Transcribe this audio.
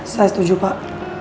saya setuju pak